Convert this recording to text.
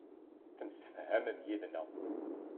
Temsefhamem yid-neɣ.